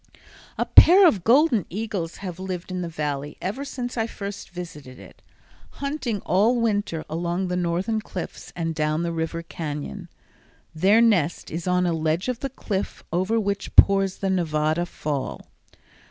A pair of golden eagles have lived in the Valley ever since I first visited it, hunting all winter along the northern cliffs and down the river cañon. Their nest is on a ledge of the cliff over which pours the Nevada Fall.